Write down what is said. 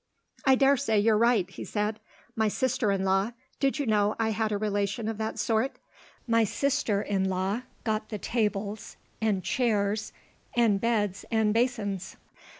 "I dare say you're right," he said. "My sister in law did you know I had a relation of that sort? my sister in law got the tables and chairs, and beds and basins.